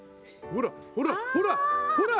ほらほらほらほら！